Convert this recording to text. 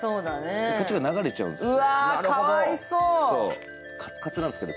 こっちが流れちゃうんですよ。